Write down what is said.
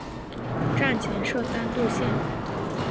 站前设单渡线。